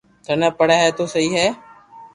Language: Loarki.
ٿني پڙي ھي تو سھي ھي